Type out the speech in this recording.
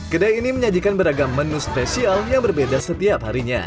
kedai ini menyajikan beragam menu spesial yang berbeda setiap harinya